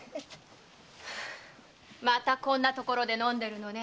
またこんな所で飲んでるのね。